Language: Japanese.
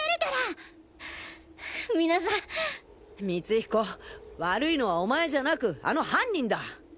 光彦悪いのはお前じゃなくあの犯人だ。